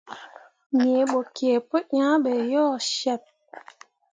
Nii bo kǝǝ pu yah be yo ceɓ.